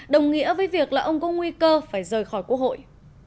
đồng nghĩa với việc là ông có nguy cơ phải rời khỏi quốc hội